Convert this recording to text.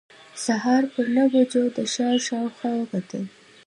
سهار پر نهو بجو د ښار شاوخوا وکتل.